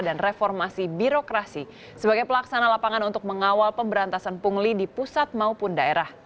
dan reformasi birokrasi sebagai pelaksana lapangan untuk mengawal pemberantasan pungli di pusat maupun daerah